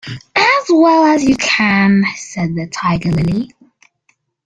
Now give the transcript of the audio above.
‘As well as you can,’ said the Tiger-lily.